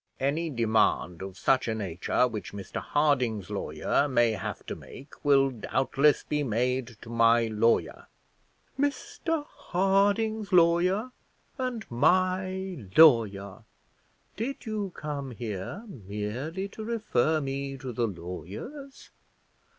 "Any demand of such a nature which Mr Harding's lawyer may have to make will doubtless be made to my lawyer." "'Mr Harding's lawyer and my lawyer!' Did you come here merely to refer me to the lawyers?